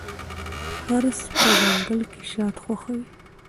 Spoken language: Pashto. خرس په ځنګل کې شات خوښوي.